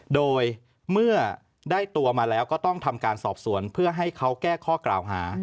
โดยเมื่อได้ตัวมาแล้วก็ต้องทำการสอบสวนเพื่อให้เขาแก้ข้อกล่าวหา